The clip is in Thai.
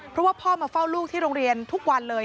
เพราะว่าพ่อมาเฝ้าลูกที่โรงเรียนทุกวันเลย